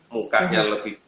mukanya lebih hemat